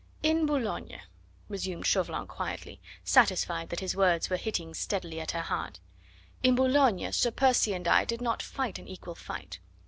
"In Boulogne," resumed Chauvelin quietly, satisfied that his words were hitting steadily at her heart "in Boulogne Sir Percy and I did not fight an equal fight.